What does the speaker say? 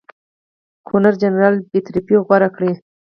ګورنرجنرال بېطرفي غوره کړي.